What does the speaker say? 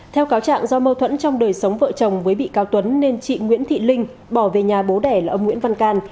theo cáo trạng do mâu thuẫn trong đời sống vợ chồng với bị cáo tuấn nên chị nguyễn thị linh bỏ về nhà bố đẻ là ông nguyễn văn can